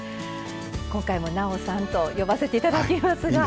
今回もなおさんと呼ばせていただきますが。